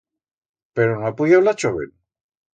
Pero no ha puyau la choven?